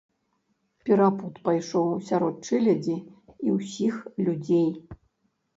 Перапуд пайшоў сярод чэлядзі і ўсіх людзей.